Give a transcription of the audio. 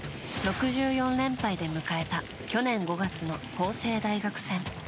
６４連敗で迎えた去年５月の法政大学戦。